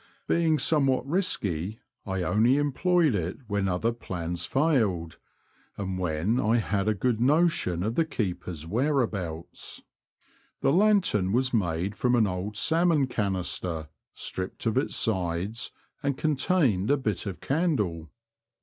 Being somewhat risky, I only employed it when other plans failed, and when I had a good notion of the keeper's whereabouts. The lantern was made from an old salmon canister stripped of its sides, and contained a bit of candle.